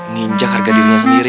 nginjak harga dirinya sendiri